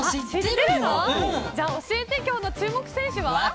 教えて、今日の注目選手は。